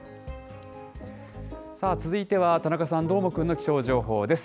さあ、続いては田中さん、どーもくんの気象情報です。